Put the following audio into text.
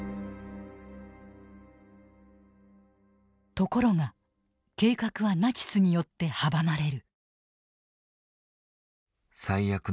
ところが計画はナチスによって阻まれる。